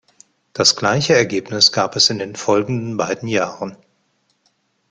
Das gleiche Ergebnis gab es in den folgenden beiden Jahren.